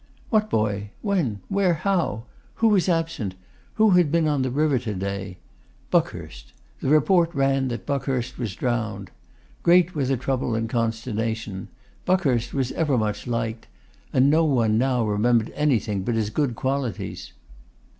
What boy? When, where, how? Who was absent? Who had been on the river to day? Buckhurst. The report ran that Buckhurst was drowned. Great were the trouble and consternation. Buckhurst was ever much liked; and now no one remembered anything but his good qualities.